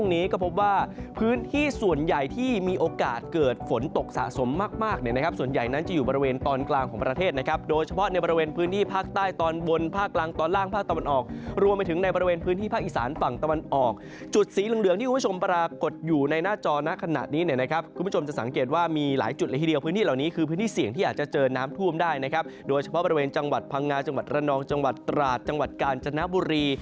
ในส่วนใหญ่ที่มีโอกาสเกิดฝนตกสะสมมากเนี่ยนะครับส่วนใหญ่นั้นจะอยู่บริเวณตอนกลางของประเทศนะครับโดยเฉพาะในบริเวณพื้นที่ภาคใต้ตอนบนภาคกลางตอนล่างภาคตะวันออกรวมไปถึงในบริเวณพื้นที่ภาคอีสานฝั่งตะวันออกจุดสีเหลืองที่คุณผู้ชมปรากฏอยู่ในหน้าจอนะขนาดนี้เนี่ยนะครับ